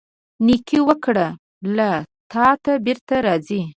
نیکۍ وکړه، له تا ته بیرته راځي.